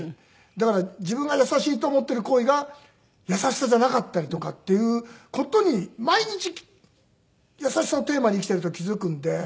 だから自分が優しいと思っている行為が優しさじゃなかったりとかっていう事に毎日優しさをテーマに生きていると気付くんで。